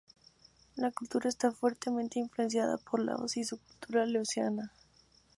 La cultura está fuertemente influenciada por Laos y su cultura laosiana.